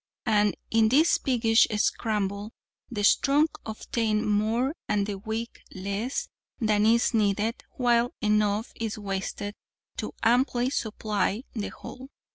And in this piggish scramble the strong obtain more and the weak less than is needed while enough is wasted to amply supply the whole.